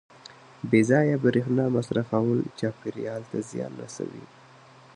• بې ځایه برېښنا مصرفول چاپېریال ته زیان رسوي.